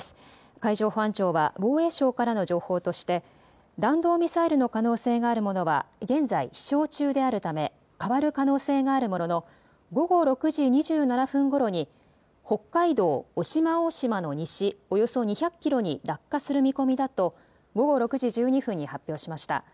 海上保安庁は防衛省からの情報としで弾道ミサイルの可能性があるものは現在飛しょう中であるため変わる可能性があるものの午後６時２７分ごろに北海道渡島大島の西およそ２００キロに落下する見込みだと午後６時１２分に発表しました。